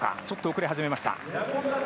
ちょっと遅れ始めました。